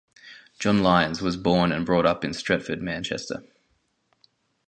John Lyons was born and brought up in Stretford, Manchester.